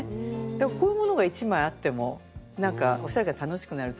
こういうものが１枚あってもなんかおしゃれが楽しくなると思いましたんで。